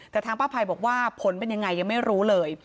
แต่ทางป้าภัยบอกว่าผลเป็นยังไงยังไม่รู้เลย